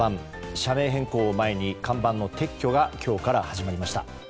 社名変更を前に看板の撤去が今日から始まりました。